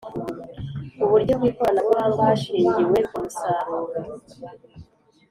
uburyo bw’ikoranabuhanga hashingiwe ku musaruro